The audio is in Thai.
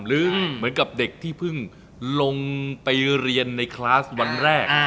หรือเหมือนกับเด็กที่เพิ่งลงไปเรียนในคลาสวันแรก